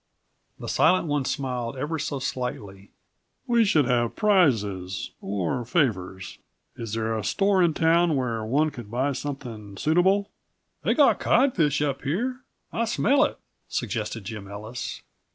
The Silent One smiled ever so slightly. "We should have prizes or favors. Is there a store in town where one could buy something suitable?" "They got codfish up here; I smelt it," suggested Jim Ellis.